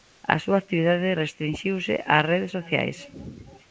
A súa actividade restrinxiuse ás redes sociais.